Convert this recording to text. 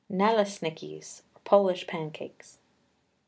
NALESNIKIS (POLISH PANCAKES).